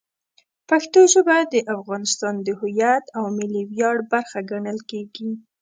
پښتو ژبه د افغانستان د هویت او ملي ویاړ برخه ګڼل کېږي.